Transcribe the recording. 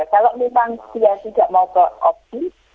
kalau memang dia tidak mau ke opsi